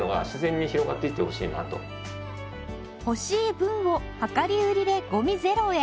欲しい分を量り売りでゴミゼロへ